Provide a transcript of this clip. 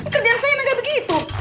kerjaan saya emang gak begitu